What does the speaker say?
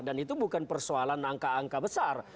dan itu bukan persoalan angka angka besar